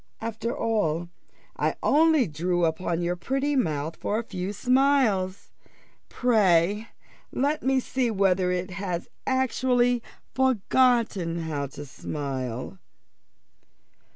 after all, I only drew upon your pretty mouth for a few smiles. Pray let me see whether it has actually forgotten how to smile."